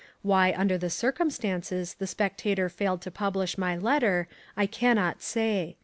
Why under the circumstances the Spectator failed to publish my letter I cannot say.